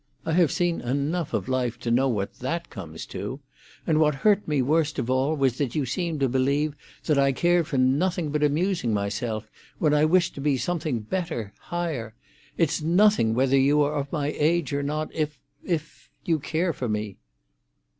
I have seen enough of life to know what that comes to! And what hurt me worst of all was that you seemed to believe that I cared for nothing but amusing myself, when I wished to be something better, higher! It's nothing whether you are of my age or not, if—if—you care for me."